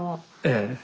ええ。